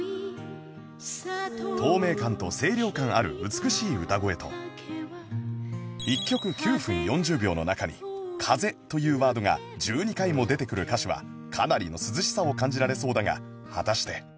美しい歌声と１曲９分４０秒の中に「風」というワードが１２回も出てくる歌詞はかなりの涼しさを感じられそうだが果たして